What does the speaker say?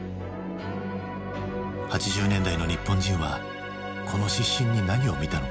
８０年代の日本人はこの失神に何を見たのか。